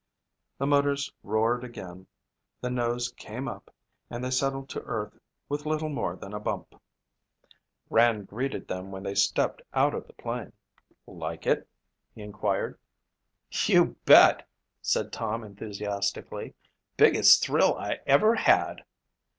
The motors roared again, the nose came up and they settled to earth with little more than a bump. Rand greeted them when they stepped out of the plane. "Like it?" he inquired. "You bet," said Tom enthusiastically. "Biggest thrill I ever had."